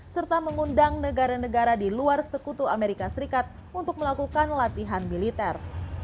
serta mengundang negara negara di luar sekutu amerika serikat untuk melakukan latihan militer